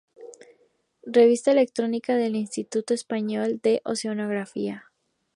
Revista electrónica del instituto español de oceanografía.